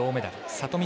里見